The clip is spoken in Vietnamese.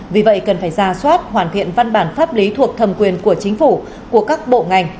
vì vậy cần phải ra soát hoàn thiện văn bản pháp lý thuộc thẩm quyền của chính phủ của các bộ ngành